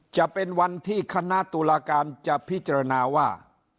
จะเป็นวันที่คณะตุลาการจะพิจารณาว่า